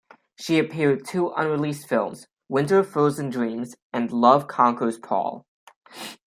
She appeared two unreleased films, "Winter of Frozen Dreams" and "Love Conquers Paul.